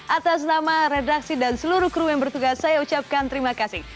atas nama redaksi dan seluruh kru yang bertugas saya ucapkan terima kasih